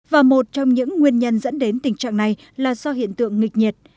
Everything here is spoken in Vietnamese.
và một trong những nguyên nhân dẫn đến tình trạng này là do hiện tượng nghịch nhiệt